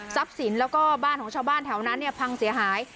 สินแล้วก็บ้านของชาวบ้านแถวนั้นเนี่ยพังเสียหาย